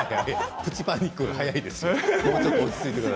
プチパニック早いですよ。